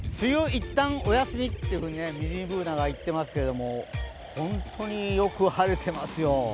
いったんお休みってミニＢｏｏｎａが言ってますけど本当によく晴れていますよ。